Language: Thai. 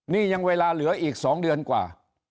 นี่ยังเวลาเหลืออีก๒เดือนกว่า